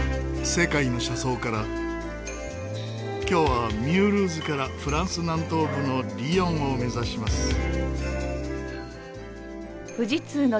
今日はミュールーズからフランス南東部のリヨンを目指します。